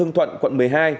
hương thuận quận một mươi hai